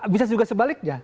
bisa juga sebaliknya